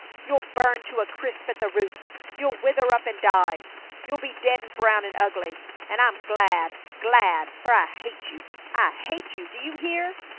You'll burn to a crisp at the roots! You'll wither up an' die. You'll be dead an' brown an' ugly! An' I'm glad! Glad! For I hate you. I hate you! Do you hear?"